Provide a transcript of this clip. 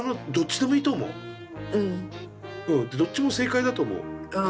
でどっちも正解だと思う。